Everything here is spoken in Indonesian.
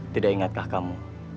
tidak ingatkah kamu